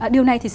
điều này thì sao